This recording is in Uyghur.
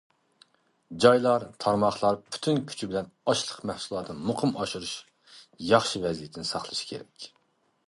جايلار، تارماقلار پۈتۈن كۈچى بىلەن ئاشلىق مەھسۇلاتىنى مۇقىم ئاشۇرۇش ياخشى ۋەزىيىتىنى ساقلىشى كېرەك.